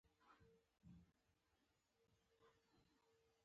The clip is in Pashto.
• شپه د یادونو لپاره بهترین وخت دی.